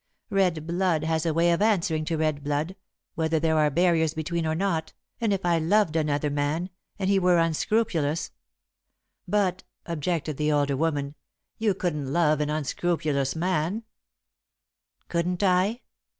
Red blood has a way of answering to red blood, whether there are barriers between or not, and if I loved another man, and he were unscrupulous " "But," objected the older woman, "you couldn't love an unscrupulous man." [Sidenote: Like the Circus] "Couldn't I?